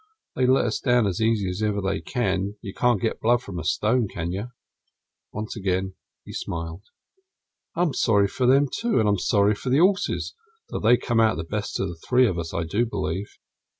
They let us down as easy as ever they can; you can't get blood from a stone, can you?" Once again he smiled. "I'm sorry for them, too, and I'm sorry for the horses, though they come out best of the three of us, I do believe."